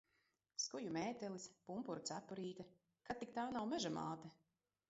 Skuju mētelis, pumpuru cepurīte. Kad tik tā nav Meža māte?